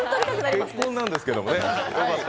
結婚なんですけれどもね。